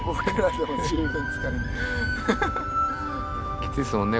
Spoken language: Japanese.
きついですもんね